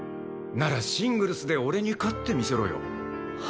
ならシングルスで俺に勝ってみせろよ。